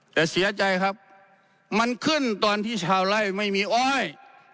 แต่เสียใจครับมันขึ้นตอนที่ชาวไล่ไม่มีอ้อย